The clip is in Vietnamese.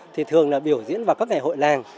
thì thường là biểu diễn vào các ngày hội làng